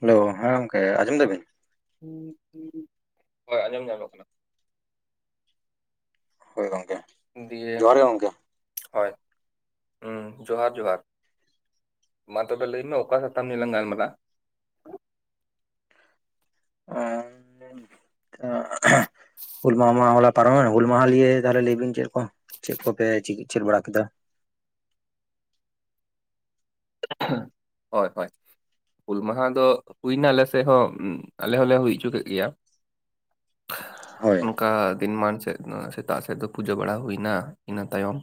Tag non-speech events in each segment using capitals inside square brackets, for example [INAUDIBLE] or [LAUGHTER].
Hello, ᱦᱮᱸ ᱜᱚᱢᱠᱮ ᱟᱸᱡᱚᱢ ᱫᱟᱵᱤᱱ? ᱦᱳᱭ ᱟᱸᱡᱚᱢ ᱧᱟᱢᱚᱜ ᱠᱟᱱᱟ᱾ ᱦᱳᱭ ᱜᱚᱝᱠᱮ᱾ ᱫᱤᱭᱮ ᱡᱚᱦᱟᱨ ᱜᱮ ᱜᱚᱝᱠᱮ ᱦᱚᱭ, ᱩᱸ ᱡᱚᱦᱟᱨ ᱡᱚᱦᱟᱨ᱾ ᱢᱟ ᱛᱚᱵᱮ ᱞᱟᱹᱭ ᱢᱮ ᱚᱠᱟ ᱥᱟᱛᱟᱢ ᱱᱤᱭᱮ ᱞᱟᱝ ᱜᱟᱞᱢᱟᱨᱟᱜᱼᱟ? ᱟᱸ, [INAUDIBLE] [INAUDIBLE] ᱦᱩᱞ ᱢᱟᱦᱟᱦᱟ ᱢᱟ ᱦᱚᱞᱟ ᱯᱟᱨᱚᱢ ᱮᱱᱟ, ᱦᱩᱞ ᱢᱟᱦᱟ ᱞᱤᱭᱮ ᱛᱟᱦᱚᱞᱮ ᱞᱟᱹᱭ ᱵᱤᱱ ᱪᱮᱫ ᱠᱚᱯᱮ ᱪᱤᱠᱟᱹ ᱪᱮᱫ ᱵᱟᱲᱟ ᱠᱮᱫᱟ? ᱦᱳᱭ ᱦᱳᱭ᱾ ᱦᱩᱞ ᱢᱟᱦᱟ ᱫᱚ ᱦᱩᱭ ᱱᱟ ᱟᱞᱮ ᱥᱮ ᱦᱚᱸ, ᱟᱞᱮ ᱦᱚᱸᱞᱮ ᱦᱩᱭ ᱦᱚᱪᱚ ᱠᱮᱫ ᱜᱮᱭᱟ᱾ [UNINTELLIGIBLE] ᱦᱳᱭ᱾ ᱚᱝᱠᱟ ᱫᱤᱱ ᱢᱟᱱ ᱥᱮᱫ ᱥᱮᱛᱟᱜ ᱥᱮᱫ ᱫᱚ ᱯᱩᱡᱟᱹ ᱵᱟᱲᱟ ᱦᱩᱭᱱᱟ, ᱤᱱᱟᱹ ᱛᱟᱭᱚᱢ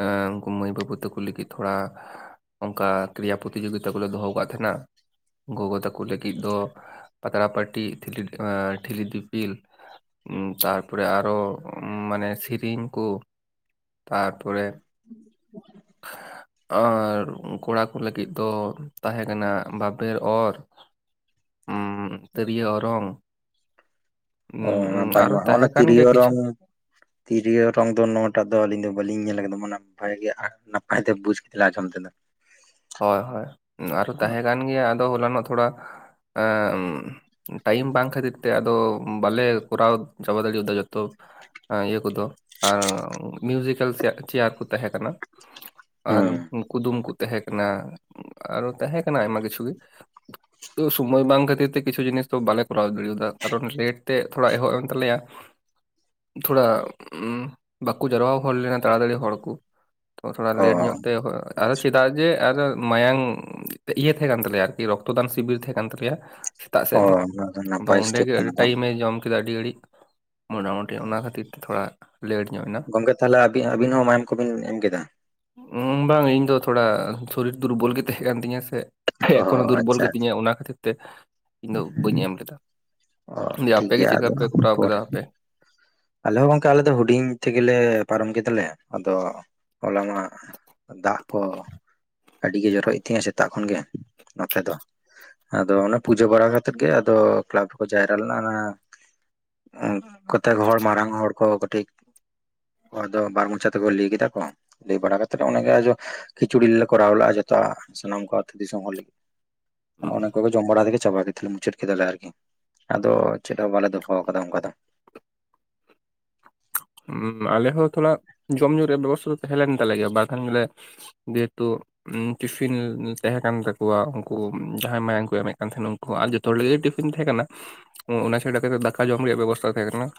ᱮᱸ ᱩᱱᱠᱩ ᱢᱟᱹᱭ ᱵᱟᱹᱵᱩ ᱛᱟᱠᱚ ᱞᱟᱹᱜᱤᱫ ᱛᱷᱚᱲᱟ ᱚᱝᱠᱟ ᱠᱨᱤᱭᱟ ᱯᱨᱚᱛᱤ ᱡᱳᱜᱤᱛᱟ ᱠᱚ ᱞᱮ ᱫᱚᱦᱚ ᱠᱟᱫ ᱛᱟᱦᱮᱸᱱᱟ᱾ ᱜᱚᱜᱚ ᱛᱟᱠᱚ ᱞᱟᱹᱜᱤᱫ ᱫᱚ ᱯᱟᱛᱲᱟ ᱯᱟᱹᱴᱤ ᱴᱷᱤᱞᱤ ᱮᱸ ᱴᱷᱤᱞᱤ ᱫᱤᱯᱤᱞ᱾ ᱛᱟᱨᱯᱚᱨᱮ ᱟᱨᱚ ᱢᱟᱱᱮ ᱥᱮᱨᱮᱧ ᱠᱚ, ᱛᱟᱨ ᱯᱚᱨᱮ [UNINTELLIGIBLE] ᱟᱨ ᱠᱚᱲᱟ ᱠᱚ ᱞᱟᱹᱜᱤᱫ ᱫᱚ ᱛᱟᱦᱮᱸ ᱠᱟᱱᱟ ᱵᱟᱵᱮᱨ ᱚᱨ ᱩᱸ ᱛᱤᱨᱭᱳ ᱚᱨᱚᱝ ᱚ ᱩᱢ, ᱱᱟᱯᱟᱭ ᱟᱨᱚ ᱢᱟ ᱦᱚᱸᱜ ᱛᱟᱦᱮᱸ ᱱᱟ ᱠᱟᱱ ᱛᱤᱨᱭᱚ ᱜᱮᱭᱟ ᱠᱤᱪᱷᱩ ᱚᱨᱚᱝ ᱛᱤᱨᱭᱳ ᱚᱨᱚᱝ ᱫᱚ ᱱᱚᱣᱟ ᱴᱟᱜ ᱫᱚ ᱟᱹᱞᱤᱧ ᱫᱚ ᱵᱟᱞᱤᱧ ᱧᱮᱞ ᱠᱟᱫᱟ, ᱢᱟᱱᱮ ᱱᱟᱯᱟᱭ ᱜᱮ ᱱᱟᱯᱟᱭ ᱛᱮ ᱵᱩᱡ ᱠᱟᱛᱮ ᱞᱤᱧ ᱟᱸᱡᱚᱢ ᱠᱮᱫᱟ᱾ ᱦᱳᱭ ᱦᱳᱭ ᱟᱨᱚ ᱛᱟᱦᱮᱸ ᱠᱟᱱ ᱜᱮᱭᱟ ᱟᱫᱚ ᱦᱚᱞᱟ ᱱᱚᱜ ᱛᱷᱚᱲᱟ ᱮᱸᱜ ᱩᱸ ᱴᱟᱭᱤᱢ ᱵᱟᱝ ᱠᱷᱟᱹᱛᱤᱨ ᱛᱮ ᱟᱫᱚ ᱵᱟᱞᱮ ᱠᱚᱨᱟᱣ ᱪᱟᱵᱟ ᱫᱟᱲᱮᱣᱟᱫᱟ ᱡᱚᱛᱚ ᱤᱭᱟᱹ ᱠᱚᱫᱚ ᱟᱨ ᱢᱤᱭᱡᱤᱠᱮᱞ ᱪᱮᱭᱟᱨ ᱠᱩ ᱛᱟᱦᱮᱸ ᱠᱟᱱᱟ, ᱟᱨ ᱦᱩᱸ ᱠᱩᱫᱩᱢ ᱠᱚ ᱛᱟᱦᱮᱸ ᱠᱟᱱᱟ ᱟᱨᱚ ᱛᱟᱦᱮᱸ ᱠᱟᱱᱟ ᱟᱭᱢᱟ ᱠᱤᱪᱷᱩ ᱜᱮ᱾ ᱛᱚ ᱥᱩᱚᱢᱚᱭ ᱵᱟᱝ ᱠᱷᱟᱹᱛᱤᱨ ᱛᱮ ᱠᱤᱪᱷᱩ ᱡᱤᱱᱤᱥ ᱫᱚ ᱵᱟᱞᱮ ᱠᱚᱨᱟᱣ ᱫᱟᱲᱮ ᱭᱟᱫᱟ ᱠᱟᱨᱚᱱ ᱞᱮᱴ ᱛᱮ ᱛᱷᱚᱲᱟ ᱮᱦᱚᱵ ᱮᱱ ᱛᱟᱞᱮᱭᱟ᱾ ᱛᱷᱚᱲᱟ ᱵᱟᱠᱚ ᱡᱟᱨᱣᱟ ᱦᱩᱭ ᱞᱮᱱᱟ ᱛᱟᱲᱟ ᱛᱟᱲᱤ ᱦᱚᱲ ᱠᱩ᱾ ᱛᱚ ᱛᱷᱚᱲᱟ ᱚ ᱞᱮᱴ ᱧᱚᱜ ᱛᱮ ᱟᱫᱚ ᱟᱪᱪᱷᱟ, ᱪᱮᱫᱟᱜ ᱡᱮ ᱟᱫᱚ ᱢᱟᱭᱟᱢ ᱤᱭᱟᱹ ᱛᱟᱦᱮᱸ ᱠᱟᱱ ᱛᱟᱞᱮᱭᱟ ᱟᱨᱠᱤ ᱨᱚᱠᱛᱚᱫᱟᱱ ᱥᱤᱵᱤᱨ ᱛᱟᱦᱮᱸ ᱠᱟᱱ ᱛᱟᱞᱮᱭᱟ᱾ ᱥᱮᱛᱟᱜ ᱚ ᱥᱮᱫ ᱫᱚ ᱚᱱᱟ ᱟᱫᱚ ᱱᱟᱯᱟᱭ ᱥᱴᱮᱯ ᱚᱰᱮᱜᱮ ᱠᱟᱱᱟ ᱟᱹᱰᱤ ᱴᱟᱭᱤᱢ ᱛᱟᱨᱢᱟᱱᱮ ᱮ ᱡᱚᱢ ᱠᱮᱫᱟ ᱟᱹᱰᱤ ᱜᱷᱟᱹᱲᱤᱡ᱾ ᱢᱚᱴᱟ ᱢᱩᱴᱤ ᱚᱱᱟ ᱠᱷᱟᱹᱛᱤᱨ ᱛᱮ ᱛᱷᱚᱲᱟ ᱞᱮᱹᱴ ᱧᱚᱜ ᱱᱟ᱾ ᱜᱚᱝᱠᱮ ᱛᱟᱦᱞᱮ ᱟᱵᱤᱱ ᱦᱚᱸ ᱢᱟᱭᱟᱢ ᱠᱚᱵᱤᱱ ᱮᱢ ᱠᱮᱫᱟ? ᱵᱟᱝ ᱤᱧ ᱫᱚ ᱛᱷᱚᱲᱟ ᱥᱚᱨᱤᱨ ᱫᱩᱨᱵᱚᱞ ᱜᱮ ᱛᱟᱦᱮᱸ ᱠᱟᱱ ᱛᱤᱧᱟᱹ ᱥᱮ, ᱚ ᱮᱠᱷᱚᱱᱚ ᱫᱩᱨᱵᱚᱞ ᱟᱪᱪᱷᱟ ᱜᱮ ᱛᱤᱧᱟ ᱚᱱᱟ ᱠᱷᱟᱹᱛᱤᱨ ᱛᱮ ᱤᱧ ᱫᱚ ᱵᱟᱹᱧ ᱮᱢ ᱞᱮᱫᱟ᱾ ᱚ ᱫᱤᱭᱮ ᱴᱷᱤᱠ ᱟᱯᱮ ᱜᱮ ᱜᱮᱭᱟ ᱪᱮᱫ ᱞᱮᱠᱟ ᱟᱫᱚ ᱯᱮ ᱠᱚᱨᱟᱣ ᱯᱚᱨ ᱠᱮᱫᱟ ᱟᱯᱮ? ᱟᱞᱮ ᱦᱚᱸ ᱜᱚᱝᱠᱮ ᱟᱞᱮ ᱫᱚ ᱦᱩᱰᱤᱧ ᱛᱮᱜᱮ ᱞᱮ ᱯᱟᱨᱚᱢ ᱠᱮᱫᱟ ᱞᱮ ᱟᱫᱚ ᱦᱚᱞᱟ ᱢᱟ ᱫᱟᱜ ᱠᱚ ᱟᱹᱰᱤ ᱜᱮ ᱡᱚᱨᱚ ᱭᱮᱫ ᱛᱟᱦᱮᱸᱫ ᱟ ᱥᱮᱛᱟᱜ ᱠᱷᱚᱱ ᱜᱮ ᱱᱚᱛᱮ ᱫᱚ᱾ ᱟᱫᱚ ᱚᱱᱮ ᱯᱩᱡᱟᱹ ᱵᱟᱲᱟ ᱠᱟᱛᱮᱫ ᱜᱮ ᱟᱫᱚ ᱠᱮᱞᱟᱵ ᱨᱮᱠᱚ ᱡᱟᱭᱨᱟ ᱞᱮᱱᱟ ᱚᱱᱟ ᱩᱸᱜ ᱠᱚᱛᱮᱠ ᱦᱚᱲ ᱢᱟᱨᱟᱝ ᱦᱚᱲ ᱠᱚ ᱠᱟᱹᱴᱤᱡ ᱦᱚᱲ ᱫᱚ ᱵᱟᱨ ᱢᱚᱪᱟ ᱛᱮ ᱠᱚ ᱞᱟᱹᱭ ᱠᱮᱫᱟ ᱠᱚ, ᱞᱟᱹᱭ ᱵᱟᱲᱟ ᱠᱟᱛᱮᱫ ᱟᱸᱵᱮ ᱜᱮ ᱟᱡᱚ ᱠᱷᱤᱪᱩᱲᱤ ᱞᱮ ᱠᱚᱨᱟᱣ ᱞᱮᱫᱼᱟ ᱡᱚᱛᱚᱣᱟᱜ ᱥᱟᱱᱟᱢ ᱠᱚ ᱟᱹᱛᱩ ᱫᱤᱥᱚᱢ ᱦᱚᱲ ᱞᱟᱹᱜᱤᱫ, ᱱᱚᱜ-ᱚᱱᱟ ᱠᱚᱜᱮ ᱡᱚᱢ ᱵᱟᱲᱟ ᱛᱮ ᱜᱮ ᱪᱟᱵᱟ ᱠᱮᱫᱟᱞᱮ ᱢᱩᱪᱟᱹᱫ ᱠᱮᱫᱟᱞᱮ ᱟᱨᱠᱤ, ᱟᱫᱚ ᱪᱮᱫ ᱦᱚᱸ ᱵᱟᱞᱮ ᱫᱚᱦᱚ ᱟᱠᱟᱫᱟ ᱚᱱᱠᱟ ᱫᱚ ᱾ ᱦᱩᱸ ᱟᱞᱮ ᱦᱚᱸ ᱛᱷᱚᱲᱟ ᱡᱚᱢ ᱧᱩ ᱨᱮ ᱵᱮᱵᱚᱥᱛᱷᱟ ᱫᱚ ᱛᱟᱦᱮᱸ ᱞᱮᱱ ᱛᱟᱞᱮ ᱜᱮᱭᱟ ᱵᱟᱠᱷᱟᱱ ᱵᱚᱞᱮ ᱡᱮᱦᱮᱛᱩ ᱴᱤᱯᱷᱤᱱ ᱛᱟᱦᱮᱸ ᱠᱟᱱ ᱛᱟᱠᱩᱣᱟ ᱩᱱᱠᱩ ᱡᱟᱦᱟᱸᱭ ᱢᱟᱭᱟᱝ ᱠᱚ ᱮᱢᱮᱫ ᱠᱟᱱ ᱛᱟᱦᱮᱱᱟ ᱩᱱᱠᱩ ᱾ ᱟᱨ ᱡᱷᱚᱛᱚ ᱦᱚᱲ ᱞᱟᱜᱤᱫ ᱴᱤᱯᱷᱤᱱ ᱛᱟᱦᱮᱸ ᱠᱟᱱᱟ ᱚᱱᱟ ᱪᱷᱟᱰᱟ ᱠᱟᱛᱮᱫ ᱫᱟᱠᱟ ᱡᱚᱢ ᱨᱮᱭᱟᱜ ᱵᱮᱵᱚᱥᱛᱟ ᱦᱚ ᱛᱟᱦᱮᱸ ᱠᱟᱱᱟ ᱾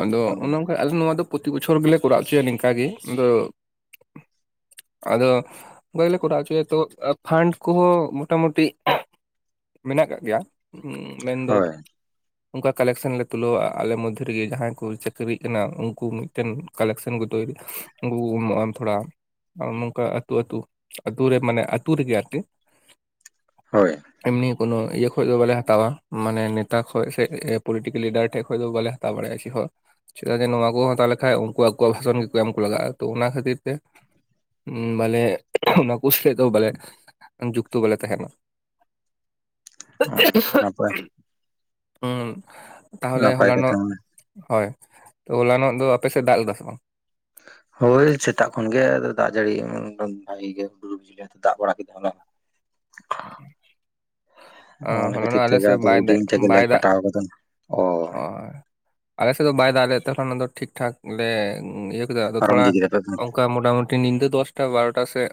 ᱟᱫᱚ ᱚᱱᱮ ᱚᱱᱠᱟ ᱟᱞᱮ ᱱᱚᱣᱟ ᱫᱚ ᱯᱨᱚᱛᱤ ᱵᱚᱪᱷᱚᱨ ᱜᱮᱞᱮ ᱠᱚᱨᱟᱣ ᱦᱚᱪᱚᱭᱟ ᱱᱤᱝᱠᱟ ᱜᱤ, ᱟᱫᱚ ᱟᱫᱚ [UNINTELLIGIBLE] ᱜᱮᱞᱮ ᱠᱚᱨᱟᱣ ᱦᱚᱪᱚᱭᱟ ᱛᱚ ᱯᱷᱟᱱᱰ ᱠᱚ ᱦᱚᱸ ᱢᱚᱴᱟ ᱢᱩᱴᱤ ᱢᱮᱱᱟᱜ ᱠᱟᱜ ᱜᱮᱭᱟ᱾ ᱩᱸ ᱢᱮᱱᱫᱚ ᱦᱳᱭ ᱚᱱᱠᱟ ᱠᱟᱞᱮᱠᱥᱮᱱ ᱞᱮ ᱛᱩᱞᱟᱹᱣᱟ ᱟᱞᱮ ᱢᱚᱫ ᱨᱮᱜᱮ ᱡᱟᱦᱟᱸᱭ ᱠᱚ ᱪᱟᱹᱠᱨᱤᱜ ᱠᱟᱱᱟ ᱩᱱᱠᱩ ᱢᱤᱫᱴᱮᱱ ᱠᱟᱞᱮᱠᱥᱮᱱ [UNINTELLIGIBLE] ᱩᱱᱠᱩ ᱠᱚ ᱮᱢᱚᱜᱼᱟ ᱛᱷᱚᱲᱟ᱾ ᱦᱚᱸᱜ-ᱚ ᱱᱚᱝᱠᱟ ᱟᱹᱛᱩ ᱟᱹᱛᱩ ᱟᱹᱛᱩ ᱨᱮ ᱢᱟᱱᱮ ᱟᱹᱛᱩ ᱨᱮᱜᱮ ᱟᱨᱠᱤ᱾ ᱦᱳᱭ᱾ ᱮᱢᱱᱤ ᱠᱳᱱᱚ ᱤᱭᱟᱹ ᱠᱷᱚᱡ ᱫᱚ ᱵᱟᱞᱮ ᱦᱟᱛᱟᱣᱟ, ᱢᱟᱱᱮ ᱱᱮᱛᱟ ᱠᱷᱚᱡ ᱥᱮ ᱯᱚᱞᱤᱴᱤᱠᱮᱞ ᱞᱤᱰᱟᱨ ᱴᱷᱮᱡ ᱠᱷᱚᱡ ᱫᱚ ᱵᱟᱞᱮ ᱦᱟᱛᱟᱣ ᱵᱟᱲᱟᱭᱟ ᱪᱮᱫ ᱦᱚ ᱾ ᱪᱮᱫᱠᱟ ᱡᱮ ᱱᱚᱣᱟ ᱠᱚ ᱦᱟᱛᱟᱣ ᱞᱮᱠᱷᱟᱡ ᱩᱱᱠᱩ ᱟᱠᱚᱣᱟᱜ ᱵᱷᱟᱥᱚᱱ ᱜᱮᱠᱚ ᱮᱢ ᱠᱚ ᱞᱟᱜᱟᱜᱼᱟ, ᱛᱚ ᱚᱱᱟ ᱠᱷᱟᱹᱛᱤᱨ ᱛᱮ ᱩᱸ ᱵᱟᱞᱮ ᱱᱩᱠᱩ ᱥᱟᱛᱮᱜ ᱫᱚ ᱵᱟᱞᱮ ᱡᱩᱠᱛᱚ ᱵᱟᱞᱮ ᱛᱟᱦᱮᱱᱟ᱾ ᱱᱟᱯᱟᱭ [UNINTELLIGIBLE] ᱩᱸ ᱛᱟᱦᱚᱞᱮ ᱱᱟᱯᱟᱭ ᱦᱚᱞᱟᱱᱚᱜ ᱠᱟᱛᱷᱟ ᱦᱚᱭ ᱛᱚ ᱦᱚᱞᱟᱱᱚᱜ ᱫᱚ ᱟᱯᱮ ᱥᱮᱫ ᱫᱟᱜ ᱞᱮᱫᱟ ᱥᱮ ᱵᱟᱝ? ᱦᱳᱭ ᱥᱮᱛᱟᱜ ᱠᱷᱚᱱ ᱜᱮ ᱟᱫᱚ ᱫᱟᱜ ᱡᱟᱹᱲᱤ [UNINTELLIGIBLE] ᱵᱷᱟᱜᱤ ᱜᱮ ᱦᱩᱰᱩᱨ ᱵᱤᱡᱽᱞᱤ ᱫᱟᱜ ᱵᱟᱲᱟ ᱠᱮᱫᱟ ᱦᱚᱞᱟ᱾ ᱚ ᱚᱱᱟ ᱠᱷᱟᱹᱛᱤᱨ ᱦᱚᱞᱟᱱᱚᱜ ᱟᱞᱮ ᱛᱮᱜᱮ ᱥᱮᱫ ᱟᱫᱚ ᱵᱟᱭ ᱫᱟ ᱦᱩᱰᱤᱧ ᱛᱮᱜᱮᱞᱮ ᱵᱟᱭ ᱫᱟᱜ [UNINTELLIGIBLE] ᱚ ᱟᱞᱮ ᱥᱮᱫ ᱫᱚ ᱵᱟᱭ ᱫᱟᱜ ᱞᱮᱜ ᱛᱮ ᱦᱚᱞᱟᱱᱚᱜ ᱫᱚ ᱴᱷᱤᱠ ᱴᱷᱟᱠ ᱞᱮ ᱤᱭᱟᱹ ᱠᱮᱫᱟ ᱟᱫᱚ ᱯᱟᱨᱚᱢ ᱛᱷᱚᱲᱟ ᱤᱫᱤ ᱠᱮᱫᱟ ᱯᱮ ᱵᱟᱝ? ᱚᱱᱠᱟ ᱢᱚᱴᱟᱢᱩᱴᱤ ᱧᱤᱫᱟᱹ ᱫᱚᱥᱴᱟ ᱵᱟᱨᱚᱴᱟ ᱥᱮᱜ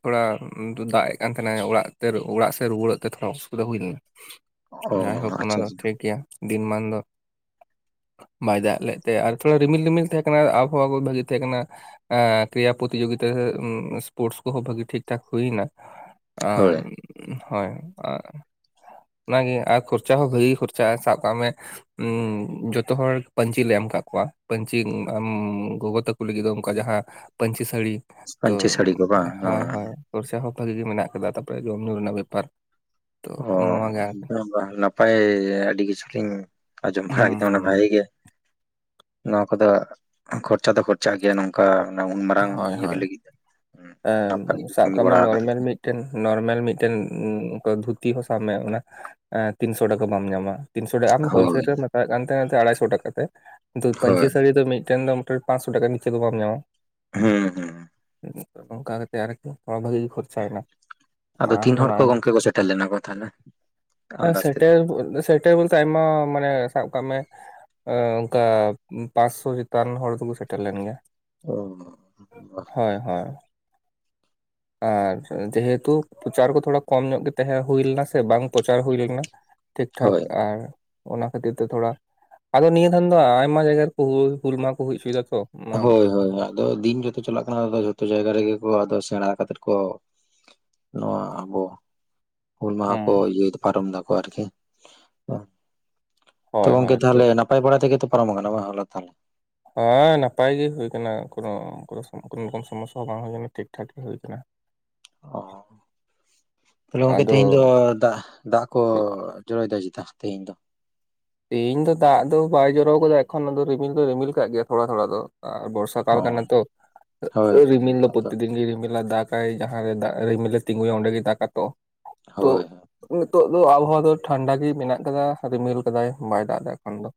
ᱛᱷᱚᱲᱟ ᱫᱟᱜ ᱮᱫ ᱠᱟᱱ ᱛᱟᱦᱮᱱᱟ, ᱚᱲᱟᱜ ᱛᱮ ᱚᱲᱟᱜ ᱥᱮᱫ ᱨᱩᱣᱟᱹᱲᱚᱜ ᱛᱮ ᱛᱷᱚᱲᱟ ᱚᱥᱩᱵᱤᱫᱷᱟ ᱦᱩᱭ ᱞᱮᱱᱟ᱾ ᱚ ᱡᱟᱭᱦᱳᱠ ᱚᱱᱟ ᱟᱪᱪᱷᱟ ᱫᱚ ᱟᱪᱪᱷᱟ ᱴᱷᱤᱠ ᱜᱮᱭᱟ ᱫᱤᱱ ᱢᱟᱱ ᱫᱚ ᱵᱟᱭ ᱫᱟᱜ ᱞᱮᱫ ᱛᱮ ᱟᱨ ᱛᱷᱚᱲᱟ ᱨᱤᱢᱤᱞ ᱨᱤᱢᱤᱞ ᱛᱟᱦᱮᱸ ᱠᱟᱱᱟ, ᱟᱨ ᱟᱵᱚᱦᱟᱣᱟ ᱠᱚ ᱵᱷᱟᱹᱜᱤ ᱛᱟᱦᱮᱸ ᱠᱟᱱᱟ᱾ ᱮᱸ ᱠᱨᱤᱭᱟ ᱯᱨᱚᱛᱤᱡᱩᱜᱤᱛᱟ ᱥᱯᱳᱨᱴᱥ ᱠᱚᱦᱚᱸ ᱵᱷᱟᱹᱜᱤ ᱴᱷᱤᱠ ᱴᱷᱟᱠ ᱦᱩᱭᱮᱱᱟ ᱾ ᱟ ᱦᱳᱭ ᱦᱳᱭ ᱟ ᱚᱱᱟᱜᱮ ᱟᱨ ᱠᱷᱚᱨᱪᱟ ᱦᱚᱸ ᱵᱷᱟᱹᱜᱤ ᱜᱮ ᱠᱷᱚᱨᱪᱟᱜᱼᱟ ᱥᱟᱵ ᱠᱟᱜ ᱢᱮ ᱩᱸ ᱡᱚᱛᱚ ᱦᱚᱲ ᱯᱟᱹᱧᱪᱤ ᱞᱮ ᱮᱢ ᱠᱟᱫ ᱠᱚᱣᱟ, ᱯᱟᱹᱧᱪᱤ ᱜᱚᱜᱚ ᱛᱟᱠᱚ ᱞᱟᱹᱜᱤᱫ ᱫᱚ ᱚᱱᱠᱟ ᱡᱟᱦᱟᱸ ᱯᱟᱹᱧᱪᱤ ᱥᱟᱹᱲᱤ ᱛᱚ ᱯᱟᱹᱧᱪᱤ ᱥᱟᱹᱲᱤ ᱠᱚ ᱵᱟᱝ ᱦᱚᱭ ᱦᱚᱭ ᱠᱷᱚᱨᱪᱟ ᱦᱚᱸ ᱵᱷᱟᱜᱤ ᱜᱮ ᱢᱮᱱᱟᱜ ᱠᱟᱫᱟ ᱛᱟᱯᱚᱨᱮ ᱡᱚᱢ ᱧᱩ ᱨᱮᱱᱟᱜ ᱵᱮᱯᱟᱨ ᱾ ᱦᱚ [UNINTELLIGIBLE] ᱱᱟᱯᱟᱭ ᱟᱹᱰᱤ ᱠᱤᱪᱷᱩ ᱞᱤᱧ ᱟᱸᱡᱚᱢ ᱵᱟᱲᱟ ᱦᱩᱸ ᱠᱮᱫᱟ ᱦᱩᱸ ᱚᱱᱟ ᱵᱷᱟᱜᱤ ᱜᱮ ᱱᱚᱣᱟ ᱠᱚᱫᱚ ᱠᱷᱚᱨᱪᱟ ᱫᱚ ᱠᱷᱚ ᱪᱟᱜ ᱜᱮᱭᱟ ᱱᱚᱝᱠᱟ ᱩᱱ ᱢᱟᱨᱟᱝ ᱤᱭᱟᱹ ᱠᱚ ᱞᱟᱹᱜᱤᱫ ᱫᱚ᱾ ᱮ ᱱᱟᱯᱟᱭ ᱜᱮ ᱥᱟᱵ ᱠᱟᱹᱢᱤ ᱠᱟᱜ ᱢᱮ ᱵᱟᱲᱟ ᱠᱟᱫᱟ ᱱᱚᱨᱢᱮᱞ ᱯᱮ᱾ ᱢᱤᱫ ᱴᱮᱱ ᱱᱚᱨᱢᱮᱞ ᱢᱤᱫᱴᱮᱱ ᱫᱷᱩᱛᱤ ᱦᱚᱸ ᱥᱟᱵ ᱢᱮ ᱚᱱᱟ ᱛᱤᱱᱥᱚ ᱴᱟᱠᱟ ᱵᱟᱢ ᱧᱟᱢᱟ ᱾ ᱛᱤᱱᱥᱚ ᱴᱤ ᱟᱢ ᱦᱳᱞᱥᱮᱞ ᱦᱳᱭ ᱨᱮᱢ ᱦᱟᱛᱟᱣᱮᱫ ᱠᱟᱱ ᱛᱟᱦᱮᱸᱫ ᱛᱮ ᱟᱲᱟᱭᱥᱚ ᱴᱟᱠᱟ ᱛᱮ, ᱠᱤᱱᱛᱩ ᱯᱟᱹᱧᱪᱤ ᱦᱳᱭ ᱥᱟᱹᱲᱤ ᱫᱚ ᱢᱤᱫᱴᱮᱱ ᱫᱚ ᱢᱳᱴᱮ ᱯᱟᱸᱪᱥᱚ ᱴᱟᱠᱟ ᱱᱤᱪᱮ ᱫᱚ ᱵᱟᱢ ᱧᱟᱢᱟ᱾ ᱦᱩᱸ ᱦᱩᱸ᱾ ᱱᱚᱝᱠᱟ ᱠᱟᱛᱮ ᱟᱨᱠᱤ ᱱᱚᱣᱟ ᱵᱷᱟᱜᱤ ᱜᱮ ᱠᱷᱚᱨᱪᱟᱭᱮᱱᱟ᱾ ᱟᱫᱚ ᱛᱤᱱ ᱦᱚᱲ ᱠᱚ ᱜᱚᱝᱠᱮ ᱠᱚ ᱥᱮᱴᱮᱨ ᱞᱮᱱᱟ ᱠᱚ ᱛᱟᱦᱚᱞᱮ [UNINTELLIGIBLE] ᱟᱱᱫᱟᱡ ᱛᱮᱫᱚ? ᱥᱮᱴᱮᱨ [UNINTELLIGIBLE] ᱴᱮᱵ ᱛᱮ ᱟᱭᱢᱟ ᱢᱟᱱᱮ ᱥᱟᱵ ᱠᱟᱜ ᱢᱮ ᱾ ᱮ ᱚᱱᱠᱟ ᱯᱟᱸᱪᱥᱚ ᱪᱮᱛᱟᱱ ᱦᱚᱲ ᱫᱚᱠᱚ ᱥᱮᱴᱮᱨ ᱞᱮᱱ ᱜᱮᱭᱟ ᱾ ᱚ [UNINTELLIGIBLE] ᱦᱚᱭ ᱦᱚᱭ ᱾ ᱟᱪᱪᱷᱟ ᱡᱮᱦᱮᱛᱩ ᱯᱨᱚᱪᱟᱨ ᱠᱚ ᱛᱷᱚᱲᱟ ᱠᱚᱢ ᱧᱚᱜ ᱜᱮ ᱛᱟᱦᱮᱸ ᱦᱩᱭ ᱞᱮᱱᱟ ᱥᱮ ᱵᱟᱝ ᱯᱨᱚᱪᱟᱨ ᱦᱩᱭ ᱞᱮᱱᱟ ᱾ ᱴᱷᱤᱠ ᱴᱷᱟᱠ ᱦᱳᱭ ᱟᱨᱼᱼ ᱚᱱᱟ ᱠᱷᱟᱹᱛᱤᱨ ᱛᱮ ᱛᱷᱚᱲᱟ, ᱟᱫᱚ ᱱᱤᱭᱟᱹ ᱫᱤᱱ ᱫᱚ ᱟᱭᱢᱟ ᱡᱟᱭᱜᱟ ᱨᱮᱠᱚ ᱦᱩᱞ, ᱦᱩᱞ ᱢᱟᱦᱟ ᱠᱚ ᱦᱩᱭ ᱚᱪᱚᱭᱮᱫᱟ ᱛᱚ ᱾ ᱦᱳᱭ ᱦᱳᱭ ᱟᱫᱚ ᱫᱤᱱ ᱡᱚᱛᱚ ᱪᱟᱞᱟᱜ ᱠᱟᱱᱟ ᱡᱷᱚᱛᱚ ᱡᱟᱭᱜᱟ ᱨᱮᱜᱮ ᱠᱚ ᱟᱫᱚ ᱥᱮᱬᱟ ᱠᱟᱛᱮ ᱠᱚᱼᱼ ᱱᱚᱣᱟ ᱟᱵᱚᱼᱼ ᱦᱩᱞ ᱢᱟᱦᱟ ᱠᱚ ᱤᱭᱟᱹ ᱯᱟᱨᱚᱢ ᱫᱟᱠᱚ ᱟᱨᱠᱤ ᱾ ᱛᱚ ᱦᱳᱭ ᱜᱚᱝᱠᱮ ᱦᱳᱭ ᱛᱚ ᱛᱟᱦᱚᱞᱮ ᱱᱟᱯᱟᱭ ᱵᱟᱲᱟ ᱛᱮᱜᱮ ᱛᱚ ᱯᱟᱨᱚᱢ ᱟᱠᱟᱱᱟ ᱦᱚᱞᱟ [INAUDIBLE] ᱦᱮᱸ ᱱᱟᱯᱟᱭ ᱜᱮ ᱦᱩᱭ ᱠᱟᱱᱟ ᱾ ᱠᱳᱱᱳ ᱠᱳᱱᱳ ᱨᱚᱠᱚᱢ ᱥᱚᱢᱚᱥᱥᱟ ᱦᱚᱸ ᱵᱟᱝ ᱦᱩᱭ ᱟᱠᱟᱱᱟ ᱴᱷᱤᱠ ᱴᱷᱟᱠ ᱜᱮ ᱦᱩᱭ ᱟᱠᱟᱱᱟ ᱾ ᱚ, ᱛᱟᱦᱞᱮ ᱜᱚᱝᱠᱮ ᱟᱫᱚ ᱛᱮᱦᱮᱧ ᱫᱚ ᱫᱟᱜ ᱫᱟᱜ ᱠᱚ ᱡᱚᱨᱚᱭ ᱫᱟᱭ ᱪᱮᱛᱟ ᱛᱮᱦᱮᱧ ᱫᱚ ᱾ ᱤᱧ ᱫᱚ ᱫᱟᱜ ᱫᱚ ᱵᱟᱭ ᱡᱚᱨᱚᱣᱟ ᱠᱟᱫᱟ ᱮᱠᱷᱚᱱ ᱫᱚ ᱨᱤᱢᱤᱞ ᱫᱚ ᱨᱤᱢᱤᱞ ᱠᱟᱜ ᱜᱮᱭᱟ ᱛᱷᱚᱲᱟ ᱛᱷᱚᱲᱟ ᱫᱚ ᱾ ᱟ ᱵᱚᱨᱥᱟ ᱠᱟᱞ ᱚ ᱠᱟᱱᱟ ᱛᱚ ᱦᱳᱭ ᱦᱳᱭ ᱨᱤᱢᱤᱞ ᱦᱳᱭ ᱫᱚ ᱯᱨᱚᱛ ᱟᱫᱚ [INAUDIBLE] ᱨᱤᱢᱤᱞᱟ ᱫᱟᱠ ᱯᱨᱟᱭ ᱡᱟᱦᱟᱸᱨᱮ ᱫᱟᱜ ᱨᱤᱢᱤᱞ ᱞᱮ ᱛᱤᱸᱜᱩᱭᱟ ᱚᱸᱰᱮᱜᱮ ᱫᱟᱠᱟ ᱛᱚ, ᱛᱚ ᱾ ᱦᱳᱭ ᱦᱳᱭ ᱱᱤᱛᱚᱜ ᱫᱚ ᱟᱵᱽᱦᱟᱣᱟ ᱫᱚ ᱴᱷᱟᱱᱰᱟ ᱜᱮ ᱢᱮᱱᱟᱜ ᱠᱟᱫᱟ, ᱨᱤᱢᱤᱞᱼᱼ ᱠᱟᱫᱟᱭ ᱵᱟᱭ ᱫᱟᱜ ᱫᱟ ᱮᱠᱷᱚᱱ ᱫᱚ,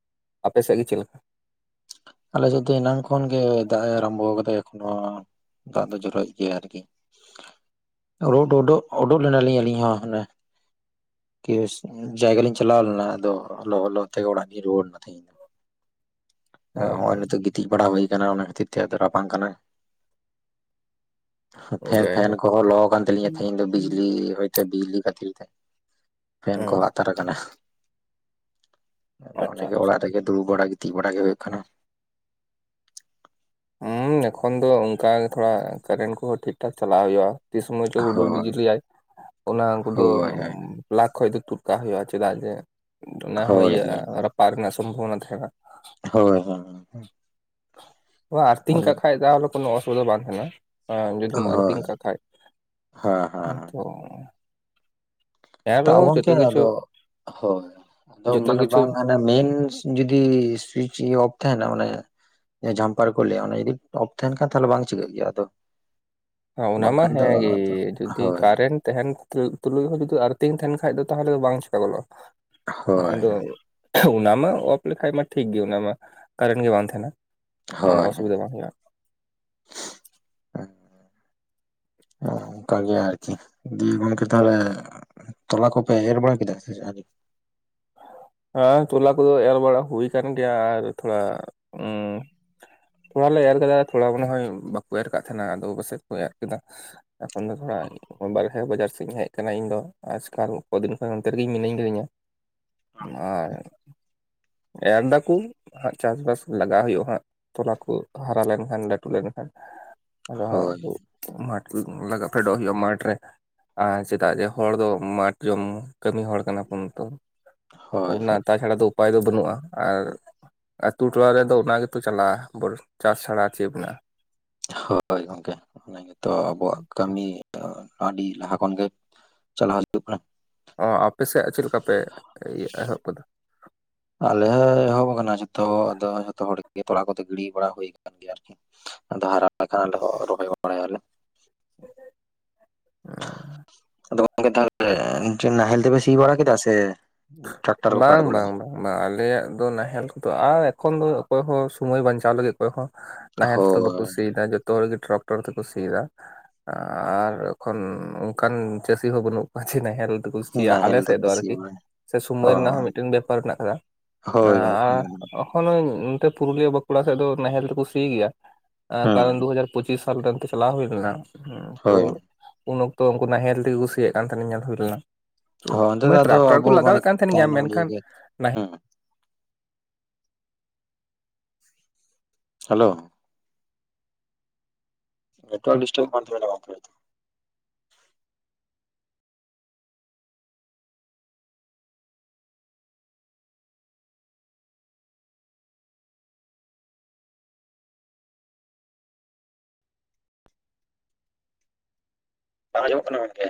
ᱟᱯᱮᱥᱮᱫ ᱜᱮ ᱪᱮᱫ ᱞᱮᱠᱟ? ᱟᱞᱮ ᱥᱮᱫ ᱫᱚ ᱮᱱᱟᱝ ᱠᱷᱚᱱ ᱜᱮ ᱫᱟᱜ ᱮ ᱟᱨᱟᱢᱵᱚ ᱠᱟᱫᱟ ᱮᱠᱷᱱᱚ ᱾ ᱫᱟᱜ ᱫᱚ ᱡᱚᱨᱚᱭᱮᱫ ᱜᱮᱭᱟ ᱟᱨᱠᱤ ᱾ ᱨᱳᱰ ᱚᱰᱚ ᱰᱳ ᱚᱰᱳᱠ ᱞᱮᱱᱟᱞᱤᱧ ᱟᱞᱤᱧ ᱦᱚᱸ ᱦᱮᱼᱼ ᱠᱮᱥ, ᱡᱟᱭᱜᱟ ᱞᱤᱧ ᱪᱟᱞᱟᱣ ᱞᱮᱱᱟ ᱟᱫᱚ ᱞᱚᱦᱚᱫ ᱞᱚᱦᱚᱫ ᱛᱮᱜᱮ ᱚᱲᱟᱜ ᱞᱤᱧ ᱨᱩᱣᱟᱹᱲ ᱮᱱᱟ ᱛᱮᱦᱮᱧ ᱾ ᱱᱚᱸᱜᱼᱚᱭ ᱱᱤᱛᱚᱜ ᱜᱤᱛᱤᱡ ᱵᱟᱲᱟ ᱦᱩᱭ ᱠᱟᱱᱟ, ᱚᱱᱟ ᱠᱷᱟᱹᱛᱤᱨ ᱛᱮ ᱟᱫᱚ ᱨᱟᱵᱟᱝ ᱠᱟᱱᱟ ᱾ ᱦᱩᱸ ᱯᱷᱮᱱ, ᱯᱷᱮᱱ ᱡᱟᱭᱦᱳᱠ ᱠᱚᱦᱚᱸ ᱞᱚ ᱟᱠᱟᱱ ᱛᱟᱞᱤᱧᱟ ᱛᱮᱦᱤᱧ ᱫᱚ ᱵᱤᱡᱽᱞᱤ ᱨᱮᱭᱼᱼ ᱛᱮ ᱵᱤᱡᱽᱞᱤ ᱠᱷᱟᱹᱛᱤᱨ, ᱯᱷᱮᱱ ᱠᱚ ᱦᱮᱸ ᱟᱛᱟᱨ ᱠᱟᱱᱟ ᱾ ᱟᱫᱚ ᱟᱪᱪᱷᱟ ᱚᱱᱟᱜᱮ ᱟᱪᱪᱷᱟ ᱚᱲᱟᱜ ᱨᱮᱜᱮ ᱫᱩᱲᱩᱵ ᱵᱟᱲᱟ ᱜᱤᱛᱤᱡ ᱵᱟᱲᱟ ᱜᱮ ᱦᱩᱭᱩᱜ ᱠᱟᱱᱟ ᱾ ᱦᱮᱸ ᱮᱠᱷᱚᱱ ᱫᱚ ᱚᱱᱠᱟ ᱛᱷᱚᱲᱟ ᱠᱟᱨᱮᱱᱴ ᱠᱚᱦᱚᱸ ᱴᱷᱤᱠ ᱴᱷᱟᱠ ᱪᱟᱞᱟᱣ ᱦᱩᱭᱩᱜᱼᱟ ᱾ ᱛᱤᱱ ᱥᱚᱢᱚᱭ ᱪᱚ ᱦᱩᱰᱩᱨ ᱦᱳᱭ ᱵᱤᱡᱽᱞᱤᱭᱟᱭ ᱚᱱᱟ ᱩᱱᱠᱩ ᱫᱚᱼᱼ ᱦᱳᱭ ᱯᱷᱞᱟᱠ ᱠᱷᱚᱡ ᱫᱚ ᱛᱩᱫᱠᱟᱜ ᱦᱩᱭᱩᱜᱼᱟ, ᱪᱮᱫᱟᱜ ᱡᱮ ᱚᱱᱟ ᱦᱚᱸ ᱦᱳᱭ ᱤᱭᱟᱹ ᱦᱳᱭ ᱨᱟᱯᱟᱜ ᱨᱮᱱᱟᱜ ᱥᱚᱢᱵᱷᱚᱵᱚᱱᱟ ᱛᱟᱦᱮᱸᱱᱟ ᱾ ᱦᱳᱭ ᱦᱳᱭ ᱟᱨᱛᱷᱤᱝ ᱦᱳᱭ ᱠᱟᱜ ᱠᱷᱟᱡ ᱛᱟᱦᱚᱞᱮ ᱠᱳᱱᱳ ᱚᱥᱩᱵᱤᱫᱷᱟ ᱵᱟᱝ ᱛᱟᱦᱮᱱᱟ ᱾ ᱦᱮᱸ ᱡᱩᱫᱤᱢ ᱦᱳᱭ ᱟᱨᱛᱷᱤᱝ ᱠᱟᱜ ᱠᱷᱟᱡ, ᱦᱮᱸ ᱛᱚᱼᱼ ᱛᱟᱣ ᱜᱚᱝᱠᱮ ᱠᱤᱪᱷᱩ ᱟᱫᱚ, ᱦᱳᱭ ᱟᱫᱚ ᱡᱚᱛᱚ ᱢᱟᱱᱮ ᱠᱤᱪᱷᱩ ᱵᱟᱝᱟᱼᱼ ᱢᱮᱱᱥ ᱡᱩᱫᱤᱻ ᱥᱩᱭᱤᱪ ᱚᱯᱷ ᱛᱟᱸᱦᱮᱱᱟ ᱢᱟᱱᱮᱼᱼ ᱡᱷᱟᱢᱯᱟᱨ ᱠᱚ ᱞᱟᱹᱭᱟ, ᱚᱱᱟ ᱡᱚᱫᱤ ᱚᱯᱷ ᱛᱟᱸᱦᱮᱱ ᱠᱷᱟᱱ ᱛᱚ ᱵᱟᱝ ᱪᱤᱠᱟᱹᱜ ᱜᱮᱭᱟ ᱟᱫᱚ ᱾ ᱦᱮᱸ ᱟᱱᱟ ᱢᱟ ᱦᱮᱸᱜᱮ, ᱟᱫᱚ ᱡᱩᱫᱤ ᱦᱳᱭ ᱠᱟᱨᱮᱱᱴᱼᱼ ᱛᱟᱦᱮᱱ ᱛᱩᱞᱩᱡ ᱦᱚᱸ ᱡᱩᱫᱤ ᱟᱨᱛᱷᱤᱝ ᱛᱟᱸᱦᱮᱱ ᱠᱷᱟᱱ ᱫᱚ ᱛᱟᱦᱚᱞᱮ ᱫᱚ ᱵᱟᱝ ᱪᱤᱠᱟ ᱜᱚᱫᱚᱜᱼᱟ ᱾ ᱦᱳᱭ ᱟᱫᱚ ᱚᱱᱟᱢᱟ [UNINTELLIGIBLE] ᱚᱯᱷ ᱞᱮᱠᱷᱟᱡ ᱢᱟ ᱴᱷᱤᱠ ᱜᱮ ᱚᱱᱟ ᱢᱟ, ᱠᱟᱨᱮᱱᱴ ᱜᱮ ᱵᱟᱝ ᱛᱟᱦᱮᱱᱟ ᱾ ᱦᱳᱭ ᱦᱮᱸ [UNINTELLIGIBLE] ᱚ, ᱚᱱᱠᱟ ᱜᱮ ᱟᱨᱠᱤ ᱾ ᱫᱤᱭᱮ ᱜᱚᱝᱠᱮ ᱛᱟᱦᱚᱞᱮ, ᱛᱚᱞᱟ ᱠᱚᱯᱮ ᱮᱨ ᱵᱟᱲᱟ ᱠᱮᱫᱟ ᱥᱮ ᱟᱹᱣᱨᱤᱼᱼ ᱦᱮᱸ ᱛᱚᱞᱟ ᱠᱚᱫᱚ ᱮᱨ ᱵᱟᱲᱟ ᱦᱩᱭ ᱟᱠᱟᱱ ᱜᱮᱭᱟ, ᱟᱨ ᱛᱷᱚᱲᱟ ᱩᱸᱼᱼ ᱛᱷᱚᱲᱟ ᱞᱮ ᱮᱨ ᱠᱮᱫᱟ ᱛᱷᱚᱲᱟ ᱫᱚ ᱱᱚᱜᱼᱚᱭ ᱵᱟᱠᱚ ᱮᱨ ᱠᱟᱫ ᱛᱟᱦᱮᱸᱱᱟ ᱟᱫᱚ ᱯᱟᱥᱮᱡ ᱠᱚ ᱮᱨ ᱠᱮᱫᱟ ᱾ ᱮᱠᱷᱚᱱ ᱫᱚ ᱠᱚᱣᱟᱭᱼᱼ ᱵᱟᱨᱦᱮ ᱵᱟᱡᱟᱨ ᱥᱮᱫ ᱤᱧ ᱦᱮᱡ ᱟᱠᱟᱱᱟ ᱤᱧ ᱫᱚ ᱟᱡᱠᱟᱞ ᱠᱚ ᱫᱤᱱ ᱠᱷᱚᱱ ᱚᱱᱛᱮ ᱨᱮᱜᱮ ᱤᱧ ᱢᱤᱱᱟᱹᱧ ᱟᱠᱟᱫᱤᱧᱟ ᱟᱨ ᱮᱨ ᱫᱟᱠᱚ ᱦᱟᱸ ᱪᱟᱥᱵᱟᱥ ᱞᱟᱜᱟᱣ ᱦᱩᱭᱩᱜ-ᱟ ᱦᱟᱸᱜ ᱛᱚᱞᱟ ᱠᱚ ᱦᱟᱨᱟ ᱞᱮᱱᱠᱷᱟᱱ ᱞᱟᱹᱴᱩ ᱞᱮᱱᱠᱷᱟᱱ ᱟᱫᱚ ᱦᱟᱸᱜ ᱦᱳᱭ ᱠᱚ ᱢᱟᱴᱷ ᱞᱟᱜᱟᱜ ᱯᱷᱮᱰᱚᱜ ᱦᱩᱭᱩᱜ-ᱟ ᱢᱟᱴᱷ ᱨᱮ ᱟᱨ ᱪᱮᱫᱟᱜ ᱡᱮ ᱦᱚᱲ ᱫᱚ ᱢᱟᱴ ᱡᱚᱢ ᱠᱟᱹᱢᱤ ᱦᱚᱲ ᱠᱟᱱᱟ ᱵᱚᱱᱛᱚ ᱦᱳᱭ ᱚᱱᱟ ᱛᱟᱪᱷᱟᱲᱟ ᱫᱚ ᱩᱯᱟᱭ ᱫᱚ ᱵᱟᱹᱱᱩᱜ-ᱟ ᱟᱨ ᱟᱛᱳ ᱴᱚᱞᱟ ᱨᱮᱫᱚ ᱚᱱᱟ ᱜᱮᱛᱚ ᱪᱟᱞᱟᱜ-ᱟ ᱪᱟᱥ ᱪᱷᱟᱲᱟ ᱪᱮᱫ ᱢᱮᱱᱟᱜ-ᱟ᱾ ᱦᱳᱭ ᱜᱚᱝᱠᱮ ᱚᱱᱟ ᱜᱮᱛᱚ ᱟᱵᱚᱣᱟᱜ ᱠᱟᱹᱢᱤ ᱟᱹᱰᱤ ᱞᱟᱦᱟ ᱠᱷᱚᱱ ᱜᱮ ᱪᱟᱞᱟᱣ ᱦᱤᱡᱩᱜ ᱠᱟᱱᱟ ᱚ ᱟᱯᱮᱥᱮᱡ ᱪᱮᱫ ᱞᱮᱠᱟ ᱯᱮ ᱮᱦᱚᱵ ᱟᱠᱟᱫᱟ ᱟᱞᱮ ᱦᱚᱸ ᱮᱦᱚᱵ ᱟᱠᱟᱱᱟ ᱡᱚᱛᱚ ᱟᱫᱚ ᱡᱚᱛᱚ ᱦᱚᱲ ᱜᱮ ᱛᱚᱲᱟ ᱠᱚᱫᱚ ᱜᱤᱰᱤ ᱵᱟᱲᱟ ᱦᱩᱭ ᱟᱠᱟᱱ ᱜᱮᱭᱟ ᱟᱨᱠᱤ ᱟᱫᱚ ᱦᱟᱨᱟ ᱞᱮᱠᱷᱟᱱ ᱟᱞᱮ ᱦᱚᱸ ᱨᱚᱦᱚᱭ ᱵᱟᱲᱟᱭᱟᱞᱮ ᱟᱫᱚ ᱜᱚᱝᱠᱮ ᱛᱟᱦᱞᱮ ᱱᱟᱦᱮᱞ ᱛᱮᱯᱮ ᱥᱤ ᱵᱟᱲᱟ ᱠᱮᱫᱟ ᱥᱮ ᱴᱨᱟᱠᱴᱟᱨ ᱠᱚᱯᱮ ᱵᱟᱝ ᱟᱬᱜᱚ ᱵᱟᱝ ᱵᱟᱝ ᱵᱟᱝ ᱟᱞᱮᱭᱟᱜ ᱫᱚ ᱱᱟᱦᱮᱞ ᱠᱚᱫᱚ ᱟᱨ ᱮᱠᱷᱚᱱ ᱫᱚ ᱚᱠᱚᱭ ᱦᱚᱸ ᱥᱚᱢᱚᱭ ᱵᱟᱧᱪᱟᱣ ᱞᱟᱹᱜᱤᱫ ᱚᱠᱚᱭ ᱦᱚᱸ ᱱᱟᱦᱮᱞ ᱛᱮ ᱫᱚ ᱵᱟᱠᱚ ᱥᱤᱭᱫᱟ ᱡᱚᱛᱚ ᱦᱚᱲ ᱜᱮ ᱴᱨᱟᱠᱴᱚᱨ ᱛᱮᱠᱚ ᱥᱤᱭᱫᱟ ᱟᱨ ᱮᱠᱷᱚᱱ ᱚᱱᱠᱟᱱ ᱪᱟᱹᱥᱤ ᱦᱚᱸ ᱵᱟᱹᱱᱩᱜ ᱠᱚᱣᱟ ᱡᱮ ᱱᱟᱦᱮᱞ ᱛᱮᱠᱚ ᱥᱤᱭᱟ ᱟᱞᱮ ᱱᱟᱦᱮᱞ ᱥᱮᱫ ᱛᱮᱠᱚ ᱫᱚ ᱟᱨᱠᱤ ᱥᱤᱭᱟ ᱥᱮ ᱚ ᱥᱳᱢᱚᱭ ᱨᱮᱱᱟᱜ ᱦᱚᱸ ᱢᱤᱫᱴᱟᱱ ᱵᱮᱯᱟᱨ ᱦᱮᱱᱟᱜ ᱟᱠᱟᱫᱟ ᱟᱨ ᱦᱳᱭ ᱜᱚᱝᱠᱮ ᱚᱸ ᱮᱠᱷᱚᱱ ᱱᱚᱛᱮ ᱯᱩᱨᱩᱞᱤᱭᱟᱹ ᱵᱟᱸᱠᱩᱲᱟ ᱥᱮᱫ ᱫᱚ ᱱᱟᱦᱮᱞ ᱛᱮᱠᱚ ᱥᱤ ᱜᱮᱭᱟ ᱦᱩᱸ ᱠᱟᱨᱚᱱ ᱫᱩ ᱦᱟᱡᱟᱨ ᱯᱚᱸᱪᱤᱥ ᱥᱟᱞ ᱨᱮᱱ ᱚᱱᱛᱮ ᱪᱟᱞᱟᱣ ᱦᱩᱭ ᱞᱮᱱᱟ ᱛᱚ ᱦᱳᱭ ᱩᱱ ᱚᱠᱛᱚ ᱩᱱᱠᱩ ᱱᱟᱦᱮᱞ ᱛᱮᱜᱮ ᱠᱚ ᱥᱤᱭᱟᱜ ᱠᱟᱱ ᱛᱟᱦᱮᱱᱟ ᱧᱮᱞ ᱦᱩᱭ ᱞᱮᱱᱟ᱾ ᱛᱚ ᱦᱚᱸ ᱚᱱᱛᱮ ᱫᱚ ᱢᱟᱱᱮ ᱟᱫᱚ ᱴᱨᱟᱠᱴᱟᱨ ᱠᱚ ᱟᱵᱚ ᱢᱟᱱᱮ ᱞᱟᱜᱟᱣᱮᱫ ᱠᱟᱱ ᱛᱟᱦᱮᱱ ᱜᱮᱭᱟ ᱛᱟᱭᱱᱚᱢ ᱤᱭᱟᱹ ᱢᱮᱱᱠᱷᱟᱱ ᱜᱮᱭᱟ ᱦᱮᱞᱳ ᱱᱮᱴᱣᱟᱨᱠ ᱰᱤᱥᱴᱟᱵᱚᱜ ᱠᱟᱱ ᱛᱟᱵᱮᱱᱟ ᱜᱚᱝᱠᱮ᱾ ᱵᱟᱝ ᱟᱸᱡᱚᱢᱚᱜ ᱠᱟᱱᱟ ᱜᱚᱝᱠᱮ᱾